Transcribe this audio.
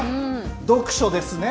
読書ですね。